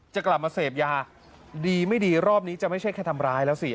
จะกลับมาเสพยาดีไม่ดีรอบนี้จะไม่ใช่แค่ทำร้ายแล้วสิ